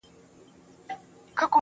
لاس زما مه نيسه چي اور وانـــخــلـې~